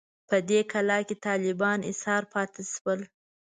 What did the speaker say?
په دې کلا کې طالبان ایسار پاتې شول.